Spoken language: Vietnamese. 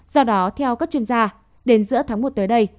do đó theo các chuyên gia đến giữa tháng một tới đây